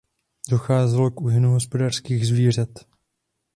Docházelo k úhynu hospodářských zvířat.